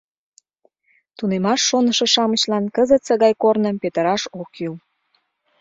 Тунемаш шонышо-шамычлан кызытсе гай корным петыраш ок кӱл.